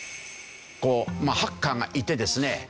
こうまあハッカーがいてですね